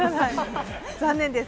残念です。